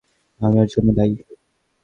আমি এর জন্য দায়ী।